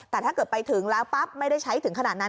แต่ถ้าเกิดไปถึงแล้วปั๊บไม่ได้ใช้ถึงขนาดนั้น